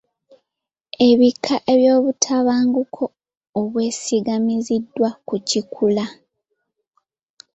Ebika by'obutabanguko obwesigamiziddwa ku kikula.